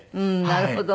なるほど。